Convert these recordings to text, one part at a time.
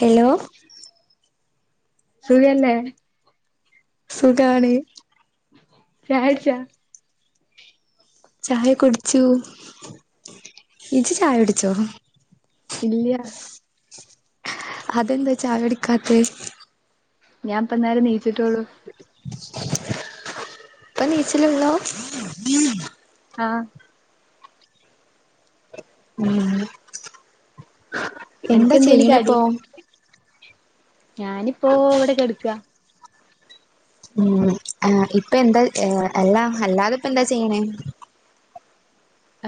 Hello സുഖല്ലെ സുഖാണ് ചായ്ട്ച്ചാ ചായ കുടിച്ചു ഇജ്ജ് ചായ കുടിച്ചോ ഇല്ല്യ അതെന്താ ചായുടിക്കാത്ത് ഞാൻ ഇപ്പന്നാരെ നീച്ചിട്ടോള്ളൂ പ്പ നീച്ച്ണൊള്ളൂ ആഹ് ഉം എന്താ അനക്കെന്തേനി ചെയ്യണ് കടി ഇപ്പൊ ഞാനിപ്പോ ഇവടെക്കെടുക്ക ഉം ആഹ് ഇപ്പൊ എന്താ എ എല്ലാ അല്ലാതെ ഇപ്പ എന്താ ചെയ്യണേ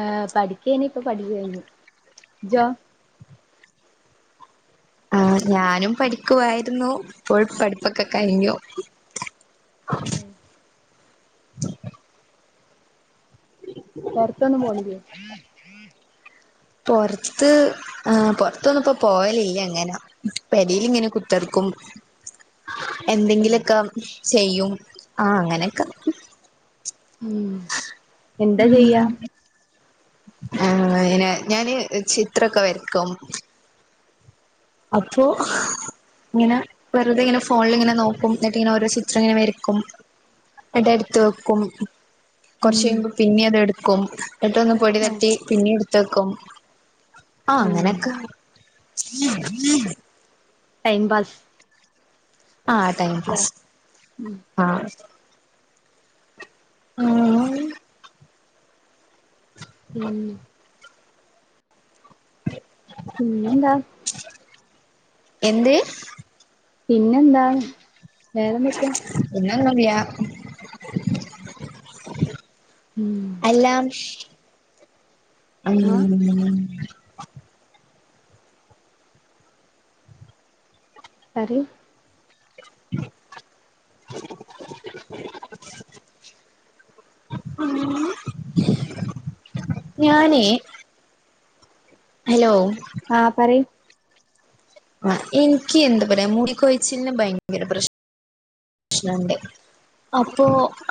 ആഹ് പഠിക്കേനി ഇപ്പ പഠിച്ച് കഴിഞ്ഞു ഇജോ ആഹ് ഞാനും പഠിക്കുവായിരുന്നു ഇപ്പോൾ പഠിപ്പൊക്കെ കഴിഞ്ഞു ഏ [unintelligible] പൊറത്തൊന്നും പോണില്ലേ പൊറത്ത് ആഹ് പൊറത്തൊന്നും ഇപ്പ പോവലില്ലങ്ങനെ പെരേൽ ഇങ്ങനെ കുത്തർക്കും എന്തെങ്കിലൊക്കെ ചെയ്യും ആ അങ്ങനെക്കെ ഉം എന്താ ചെയ്യ ആഹ് പിന്നെ ഞാന് ചിത്രൊക്കെ വരക്കും അപ്പോ ഇങ്ങനെ വെറുതെ ഇങ്ങനെ ഫോണിളിങ്ങനെ നോക്കും എന്നിട്ട് ഇങ്ങനെ ഓരോ ചിത്രം ഇങ്ങനെ വരക്കും ന്നിട്ട് അത് ഇടത്തു വെക്കും കൊറച്ച് ഉം കഴിയുമ്പോ പിന്നെ അത് എടുക്കും ന്നിട്ടൊന്ന് പൊടി തട്ടി പിന്നിം എടുത്തെക്കും ആഹ് അങ്ങനെക്കെ ടൈം പാസ് ആഹ് ടൈം ല്ലേ പാസ് ഉം ആഹ് ഉം ഉം പിന്നെന്താ എന്ത് പിന്നെന്താ വേറെ എന്തൊക്ക്യാ പിന്നെ ഒന്നൂല്ല ഉം അല്ലാംഷ് ആഹ് ഉം പറയ് [unintelligible] ഉം ഞാനേ ഹലോ ആഹ് പറയ് എനിക്ക് എന്താ പറയാ മുടിക്കൊഴച്ചിലിന് ഭയങ്കര പ്രശ് ശ്‌നണ്ട് അപ്പോ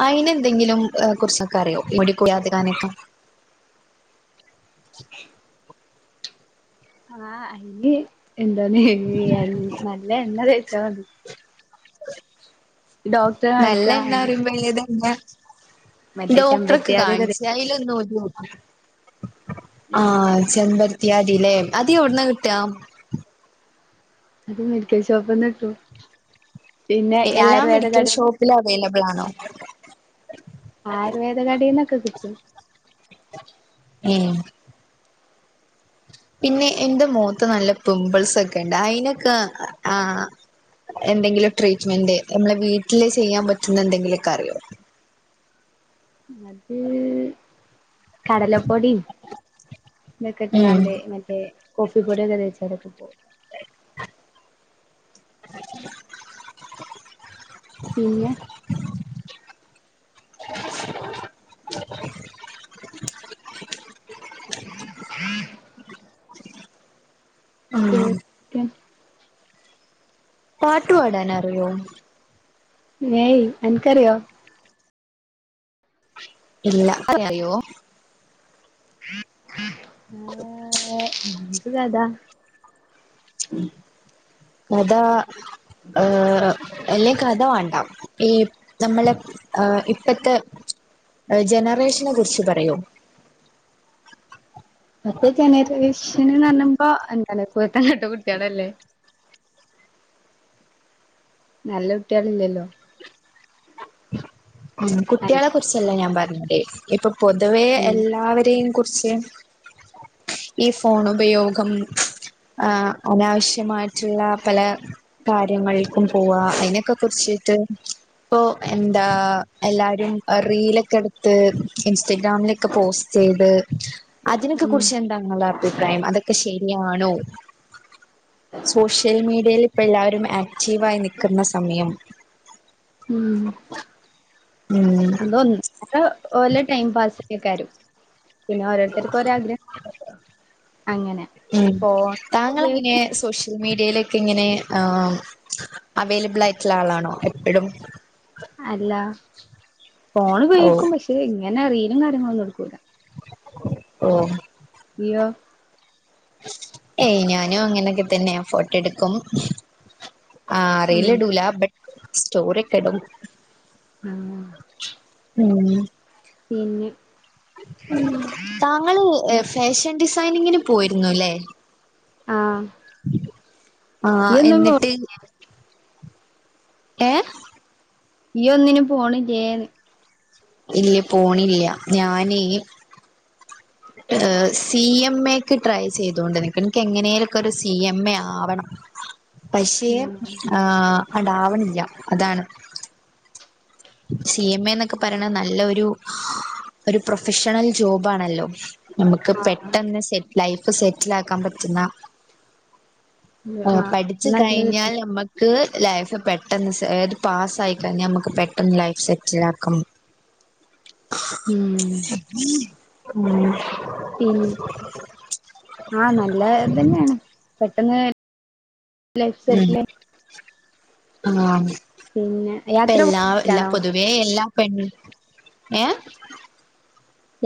അയിനെ എന്തെങ്കിലും കുറിച്ചൊക്കെ അറിയോ ഈ മുടി കൊഴിയാതിരിക്കാനൊക്കെ [inaudible] ആഹ് അയിന് എന്തോന്ന് ഹ് യെ നല്ല എണ്ണ തേച്ചാ മതി ഡോക്ടറെ നല്ല കാണിക്കാ എണ്ണ പറയുമ്പോ ഏത് എണ്ണ്യാ മറ്റേ ചെമ്പരത്തി ഡോക്ടറൊക്കെ അത് കാണിച്ചു അയിലൊന്നും ഒരു ആഹ് ചെമ്പരത്ത്യാദി ല്ലേ അത് എവിടന്നാ കിട്ടാ അത് മെഡിക്കൽ ഷോപ്പ്ന്ന് കിട്ടും പിന്നെ ആയുർവേദ കടേന്ന് ത്തിലും അവൈലബിൾ ആണോ ആയുർവേദ കടേന്നൊക്കെ കിട്ടും ഉം പിന്നെ എന്റെ മോത്ത് നല്ല പിംപിൾസൊക്കെ ഇണ്ട് അയിനൊക്കെ ആഹ് എന്തെങ്കിലും ട്രീറ്റ്മെന്റ് മ്മളെ വീട്ടില് ചെയ്യാൻ പറ്റുന്ന എന്തെങ്കിലൊക്കെ അറിയോ അത് കടലപ്പൊടീം ത് ക്കെഇട്ട് ഉം കാണ്ടേ മറ്റേ കോഫി പൊടി ഒക്കെ തേച്ച അതൊക്കെ പോവും [inaudible] പിന്നെ [inaudible] [inaudible] [inaudible] [inaudible] ഉം പാട്ടുപാടാനറിയോ ഏയ്‌ അൻക്കറിയോ ഇല്ല അ [unintelligible] അറിയോ ഏ ഹ് എന്ത് ത അതാ ആഹ് അല്ലേ കഥ വാണ്ട ഈ നമ്മള് ഏഹ് ഇപ്പത്തെ ജനറേഷനെ കുറിച്ച് പറയോ ഇപ്പത്തെ ജനറേഷന് പറയുമ്പോ എന്താണ് കുരുത്തം കെട്ട കുട്ടികളല്ലേ നല്ല കുട്ടികൾയില്ലല്ലോ ഉം കുട്ടികളെ കുറിച്ചെല്ലേ ഞാൻ പറഞ്ഞത് ഇപ്പൊ പൊതുവേ എല്ലാവരെയും കുറിച്ച് ഈ ഫോണുപയോഗം ആഹ് അനാവശ്യമായിട്ടുള്ള പല കാര്യങ്ങൾക്കും പോവാ അയിനെക്കെ കുറിച്ചിട്ട് ഇപ്പൊ എന്താ എല്ലാവരും റീയല് ക്കെട്ത്ത് ഇൻസ്റ്റഗ്രാമിലൊക്കെ പോസ്റ്റ് ചെയ്ത് അതിനൊക്കെ ഉം കുറിച്ച് എന്താ നിങ്ങളെ അഭിപ്രായം അതൊ ക്കെ ശരിയാണോ സോഷ്യൽ മീഡിയയിൽ ഇപ്പെല്ലാരും ആക്റ്റീവായി നിക്കന്ന സമയം ഉം ഉം അതൊന്ന് ഉഹ് ഓലെ ടൈംപാസുക്കാരും പിന്നെ ഓരോരുത്തർക്കും ഓരേ ആഗ്രഹം അങ്ങനെ ഉംഹ് ഫോണൊക്കെ താങ്കൾ എങ്ങനെയാ ഉപയോഗിക്കും സോഷ്യ മീഡിയയിലെക്കെ ഇങ്ങനെ ആഹ് അവൈലബിളായിട്ടുള്ള ആളാണോ എപ്പഴും അല്ലാ ഫോൺ ഓ ഉപയോഗിക്കും പക്ഷേ ഇങ്ങനെ റിയലും കാര്യങ്ങളും ഒന്നും എടുക്കൂലാ ഓഹോ ജിയോ ഏയ് ഞാനും അങ്ങനെക്കെതന്നെയാ ഫോട്ടോ എടുക്കും ആഹ് ഉം റീയല് ഇടൂല ബട്ട് സ്റ്റോറിക്കെയിടും ഊം മൂന്ന് പിന്നെ മ് താങ്ങള് ഏഹ് ഫാഷൻ ഡിസൈനിങ്ങിന് പോയിരുന്നുയെല്ലേ ആഹ് ആഹ് ഇയ്യൊന്നും പോ എന്നിട്ട് ഏഹ് ഈ ഒന്നിനും പോണില്ലേന്ന് ഇല്ല്യ പോണില്ല്യ ഞാനെ ഏഹ് സി എം എക്ക് ട്രൈ ചെയ്തോണ്ട് നിക്ക്ണ് എനിക്ക് എങ്ങേലെ ഒക്കെരു സി എം എ ആവണം പഷേ ആഹ് അങ്ങടെ ആവണില്ല അതാണ് സി എം എ എന്നൊക്കെ പറയണെ നല്ലൊരു ഒരു പ്രൊഫഷണൽ ജോബാണല്ലോ നമക്ക് ആഹ് പെട്ടെന്ന് സെറ്റ് ലൈഫ് സെറ്റിലാക്കാൻ പറ്റുന്ന ആഹ് പഠിച്ച് നല്ലത് കഴിഞ്ഞാൽ തന്നെ. നമ്മ ക്ക് ലൈഫ് പെട്ടന്ന് സെ ഏഹ് പാസായി കഴിഞ്ഞാൽ നമ്മക്ക് പെട്ടെന്ന് ലൈഫ് സെറ്റിൽ ആക്കാം ഉം ഉം ഊം പിൻ ആഹ് നല്ലതന്നേയാണ് പെട്ടന്ന് ലൈഫ് ഉം സെറ്റിലായി ആഹ് പിന്നെ യാത്ര എല്ലാ പോവാൻ എല്ലാ ഇഷ്ടാണോ പൊതു വേം എല്ലാ പെൺ ഏഹ്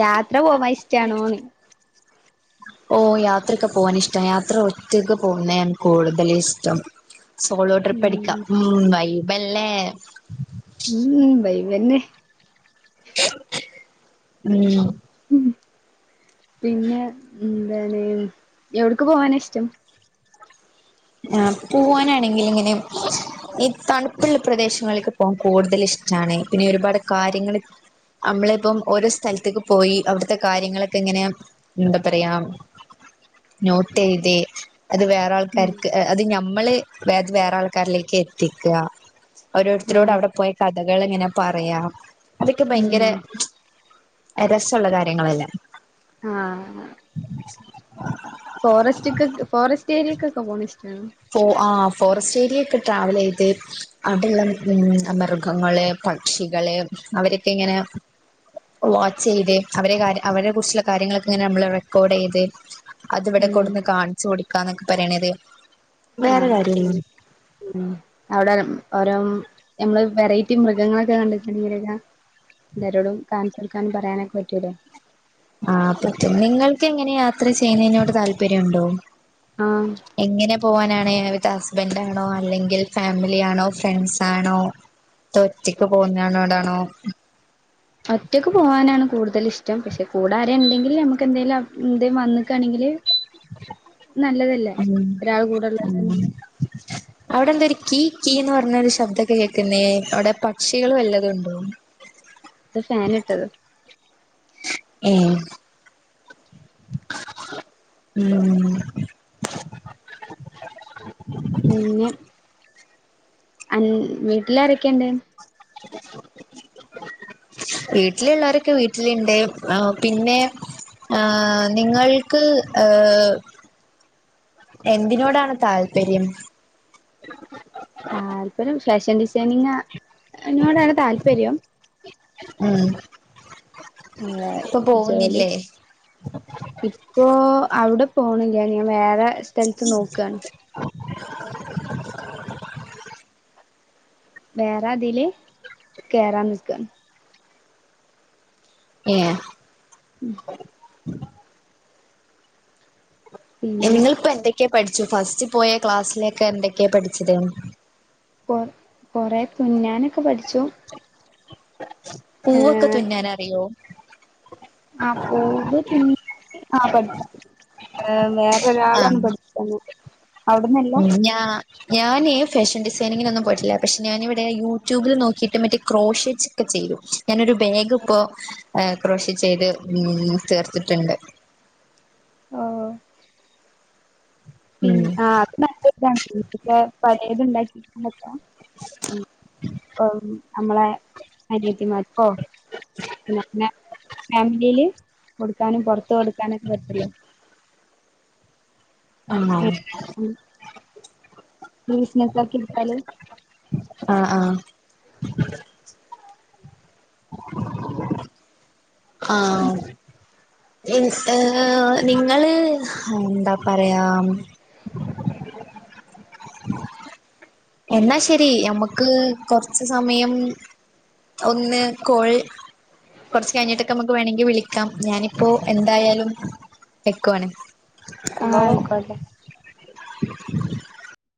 യാത്ര പോവാൻ ഇഷ്ടാണോന്ന് ഓഹ് യാത്രൊക്കെ പോകാൻ ഇഷ്ട യാത്ര ഒറ്റക്ക് പോകുന്നണ് കൂടുതല ഇഷ്ടം സോളോ ട്രിപ്പ് അടിക്കാം ഉം വൈബല്ലേ ഉം വൈബന്നെ ഉം പിന്നെ ന്തണ് എവിടക്ക് പോവാന ഇഷ്ടം ആഹ് പുവാനാണെങ്കിൽ ങ്ങനെ ഈ തണുപ്പുള്ള പ്രദേശങ്ങളക്ക് വാൻ കൂടുതൽ ഇഷ്ടാണ് പിന്നെ ഒരുപാട് കാര്യങ്ങൾ അമ്മളിപ്പം ഓരോ സ്ഥലത്തേക്ക് പോയി അവിടുത്തെ കാര്യങ്ങളൊക്കെ ഇങ്ങനെയാ ന്താ പറയാ നോട്ട് എഴുതി അത് വേറെ ഉം ആൾക്കാർക്ക് അത് ഞമ്മള് വേറെ ആൾക്കാരിലേക്ക് എത്തിക്കുക ഓരോരുത്തരോട് ആഹ് അവിടെ പോയ കഥകൾ ങ്ങനെ പറയാം അതൊക്കെ ഭയങ്കര ഉം രസള്ള കാര്യങ്ങളല്ലേ ആഹ് ഫോറസ്റ്റിക് ഫോറസ്റ്റ് ഏരിയക്കൊക്കെ പോണ ഇഷ്ടാണോ ഫോ ആഹ് ഫോറസ്റ്റ് ഏരിയ ഒക്കെ ട്രാവലെയ്ത് അവിടെള്ള ഉം മൃഗങ്ങളെ പക്ഷികളെ അവരൊക്കെ ങ്ങനെ വാച്ച് യ്ത് അവരെ കാര്യ അവരെ കുറിച്ചുള്ള കാര്യങ്ങളൊക്കെ ഇങ്ങനെ നമ്മള് റെക്കോർഡ് ചെയ്ത് അത് ഇവിടെ ഉം കൊടുന്ന് കാണിച്ച് കൊട്ക്കാന്നൊക്കെ പറയണത് വേറെ ആഹ് കാര്യല്ലേ ഉം ഉം അവിടെ ഓരോ നമ്മള് വെറൈറ്റി മൃഗങ്ങളൊക്കെ കണ്ടിട്ടുണ്ടെങ്കിലൊ എന്തരോടും കാണിച്ചുകൊടുക്കാനും പറയാനും പറ്റൂല്ലേ ആഹ് പറ്റും നിങ്ങൾക്ക് എങ്ങനെയാ യാത്ര ചെയ്യുന്നതിനോട് താല്പര്യണ്ടോ ആഹ് എങ്ങനെ പോവാനാണ് വിത്ത് ഹസ്ബൻഡ ആണോ അല്ലെങ്കിൽ ഫാമിലിയാണോ ഫ്രണ്ട്സാണോ തോ ഒറ്റക്ക് പോവുന്നോടാണോ ഒറ്റക്ക് പോവാനാണ് കൂടുതൽ ഇഷ്ടം പക്ഷെ കൂടാ എന്തേലും നമുക്ക് എന്തെങ്കിലും എന്തേും വന്നിക്കാണെങ്കിൽ നല്ലതല്ലേ ഉം ഒരാൾ കൂടെള്ള ഉം അവിടെ എന്ത ഒരു കീ കീന്ന് പറഞ്ഞൊരു ശബ്ദം കേൾക്കുന്നേ അവിടെ പക്ഷികൾ വല്ലതുണ്ടോന്ന് ത് ഫാനിയിട്ടത് ഏഹ് ഉം ഉം പിന്നെ വീട്ടിലാരോക്കെണ്ട് വീട്ടിലുള്ളരൊക്കെ വീട്ടിലുണ്ട് ആഹ് പിന്നെ ആഹ് നിങ്ങൾക്ക് ഏഹ് എന്തിനോടാണ് താല്പര്യം താല്പര്യം ഫാഷൻ ഡിസൈനിങ് ന്നോടാണ് താല്പര്യം ഉം ആഹ് ഇപ്പൊ ജോലി പോകുന്നില്ലേ ഇപ്പോ അവിടെ പോണില്ല ഞാൻ വേറെ സ്ഥലത്ത് നോക്കാണ് വേറെ അതില് കേറാൻ നിക്ക ഏഹ് ഉം പിന്നെ നിങ്ങളിപ്പോ എന്തൊക്കെയാ പഠിച്ചു ഫസ്റ്റ് പോയ ക്ലാസ്സിലൊക്കെ എന്തൊക്കെയാ പഠിച്ചത് കൊ കൊറേ തുന്നാനൊക്കെ പഠിച്ചു. പൂവൊക്കെ ഏഹ് തുന്നാനറിയോ? ആഹ് പൂവ് തുന്നാന് ആഹ് പഠിപ്പിച്ചു. ഏഹ് വേറൊരാളാണ് ആഹ് പഠിപ്പിച്ചന്ന് അവിടന്നല്ല ഞാ ഞാന് ഫാഷൻ ഡിസൈനിങ്ങിനൊന്നും പോയിട്ടില്ല പക്ഷെ ഞാനിവിടെ യൂട്യൂബിൽ നോക്കിയിട്ട് മറ്റേ ക്രോഷ് ക്കെ ചെയും ഞാനൊരു ബാഗ് ഇപ്പോ ക്രോഷിൻ ചെയ്ത് ഉം തീർത്തിട്ടുണ്ട്. ആഹ് പിന്ന ഉം ആഹ് അത് നല്ല ഇതാണ് പഴയത് ഇണ്ടാക്കിൻ പറ്റ ഉം ഓഹ് നമ്മളെ അനിയത്തിമാര് ഓഹ് പിന്നെ ഫാമിലിയില് കൊടുക്കാനും പൊറത്ത് കൊടു [unintelligible] കൊഴപ്പല്ലേ ആഹ് [unintelligible] ആഹ് ആഹ് ആഹ് ഏഹ് നിങ്ങള് എന്താ പറയാ എന്നാ ശരി നമ്മക്ക് കൊറച്ച് സമയം ഒന്ന് കോൾ കൊറച്ച് കഴിഞ്ഞിട്ടൊക്കെ നമുക്ക് വേണങ്കി വിളിക്കാം ഞാനിപ്പോ എന്തായാലും എക്കോണ് ആഹ് ഹലോ ആയിക്കോട്ടെ